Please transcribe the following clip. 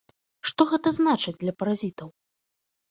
Што гэта значыць для паразітаў?